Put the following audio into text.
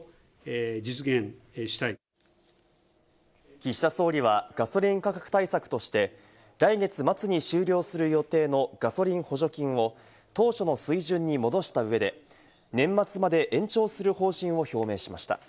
岸田総理はガソリン価格対策として、来月末に終了する予定のガソリン補助金を当初の水準に戻した上で年末まで延長する方針を表明しました。